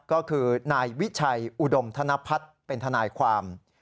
ก็คือนายวิชัยอุดมธนพัฒน์เป็นทนายความ